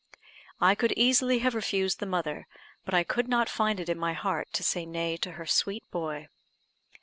I could easily have refused the mother, but I could not find it in my heart to say nay to her sweet boy.